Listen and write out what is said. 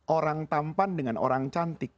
orang tampan dengan orang cantik